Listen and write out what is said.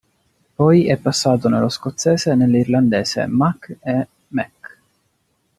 Poi è passato nello scozzese e nell'irlandese "Mac" e "Mc".